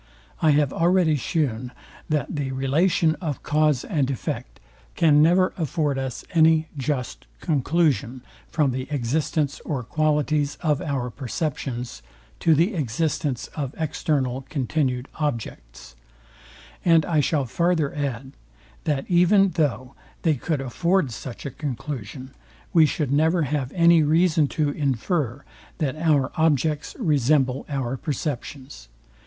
I have already shewn, that the relation of cause and effect can never afford us any just conclusion from the existence or qualities of our perceptions to the existence of external continued objects: And I shall farther add, that even though they could afford such a conclusion, we should never have any reason to infer, that our objects resemble our perceptions.